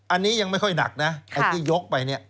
อันนี้ยังไม่ค่อยหนักนะไอ้ที่ยกไปเนี่ย